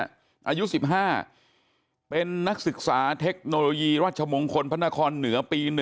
อายุ๑๕เป็นนักศึกษาเทคโนโลยีรัชมงคลพระนครเหนือปี๑